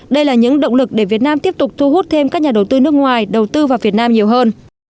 đây là những động lực để việt nam tiếp tục thu hút thêm các nhà đầu tư nước ngoài đầu tư vào việt nam nhiều hơn